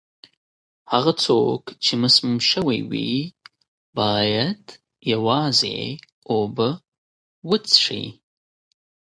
هغه څوک چې مسموم شوی وي، باید یوازې اوبه وڅښي.